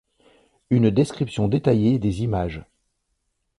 Une description détaillée des images.